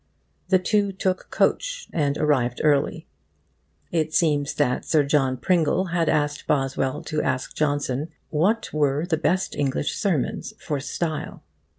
The two took coach and arrived early. It seems that Sir John Pringle had asked Boswell to ask Johnson 'what were the best English sermons for style.